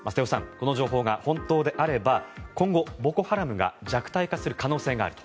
この情報が本当であれば今後、ボコ・ハラムが弱体化する可能性があると。